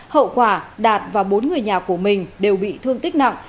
hậu quả đạt và bốn người nhà của mình đều bị thương tích nặng